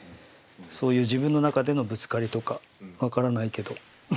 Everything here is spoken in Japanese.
そういう自分の中でのぶつかりとか分からないけど。